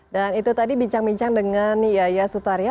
dan itu tadi bincang bincang dengan yaya sutarya